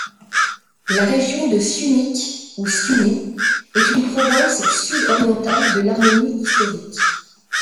La région de Syunik, ou Siounie, est une province sud-orientale de l'Arménie historique.